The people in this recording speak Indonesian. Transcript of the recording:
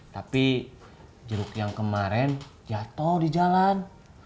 tapi jeruk yang kemarin jatuh di jalan